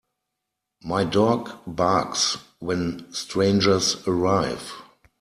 My dog barks when strangers arrive.